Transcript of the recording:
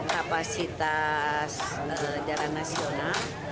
kapasitas jalan nasional